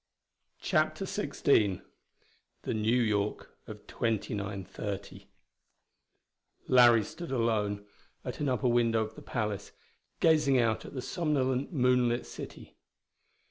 CHAPTER XVI The New York of 2930 Larry stood alone at an upper window of the palace gazing out at the somnolent moonlit city.